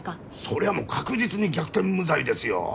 そりゃもう確実に逆転無罪ですよ。